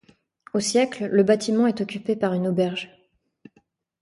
Au siècle, le bâtiment est occupé par une auberge.